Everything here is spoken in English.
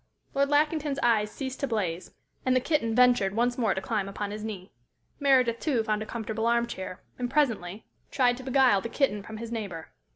Lord Lackington's eyes ceased to blaze, and the kitten ventured once more to climb upon his knee. Meredith, too, found a comfortable arm chair, and presently tried to beguile the kitten from his neighbor.